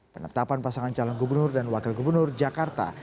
penetapan pasangan calon gubernur dan wakil gubernur jakarta